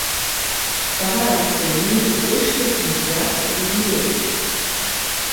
Тавар ацэнены ў больш як мільярд рублёў.